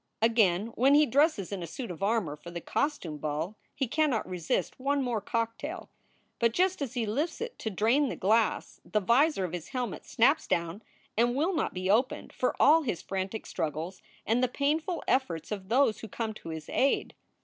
Again when he dresses in a suit of armor for the costume ball, he cannot resist one more cocktail. But just as he lifts it to drain the glass the visor of his helmet snaps down and will not be opened for all his frantic struggles and the painful efforts of those who come to his aid.